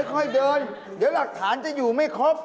ค่อยเดินเดี๋ยวหลักฐานจะอยู่ไม่ครบ